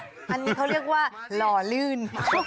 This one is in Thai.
อันนี้เขาเรียกว่าหล่อลื่น